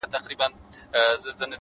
• پر راتللو د زمري کورته پښېمان سو ,